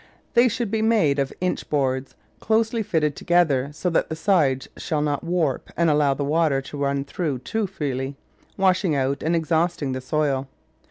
They should be made of inch boards, closely fitted together so that the sides shall not warp and allow the water to run through too freely, washing out and exhaust ing the soil.